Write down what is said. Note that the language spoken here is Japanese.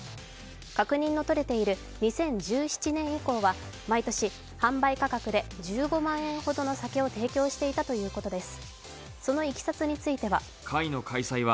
確認のとれている２０１７年以降は毎年、販売価格で１５万円ほどの酒を提供していたということです。